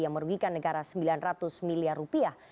yang merugikan negara sembilan ratus miliar rupiah